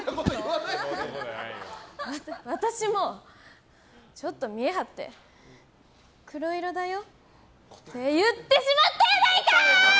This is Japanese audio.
私もちょっと見え張って黒色だよって言ってしまったやないかい！